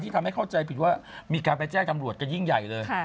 ทำให้เข้าใจผิดว่ามีการไปแจ้งตำรวจกันยิ่งใหญ่เลย